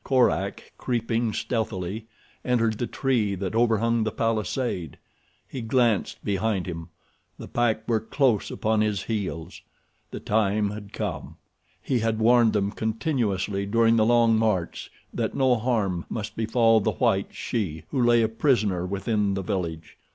Korak, creeping stealthily, entered the tree that overhung the palisade. He glanced behind him. The pack were close upon his heels. The time had come. He had warned them continuously during the long march that no harm must befall the white she who lay a prisoner within the village.